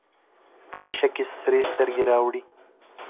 په نشه کې سرې سترګې رااړوي.